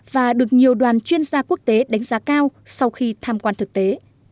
và được nhiều đoàn chuyên gia quốc tế đánh giá cao sau khi tham quan thực tế